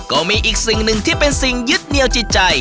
ก็มีอีกสิ่งหนึ่งที่เป็นสิ่งยึดเหนียวจิตใจ